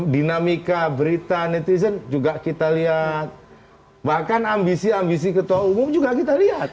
dinamika berita netizen juga kita lihat bahkan ambisi ambisi ketua umum juga kita lihat